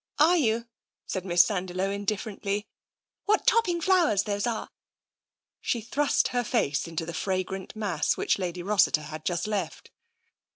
"Are you?" said Miss Sandiloe indifferently. "What topping flowers those are! " She thrust her face into the fragrant mass which Lady Rossiter had just left.